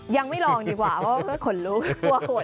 ยังไม่ลองดีกว่าว่าขนลุกกลัวคน